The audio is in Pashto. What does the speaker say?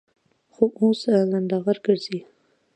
خو اوس لنډغر گرځي.